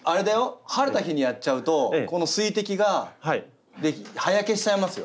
晴れた日にやっちゃうとこの水滴で葉焼けしちゃいますよ。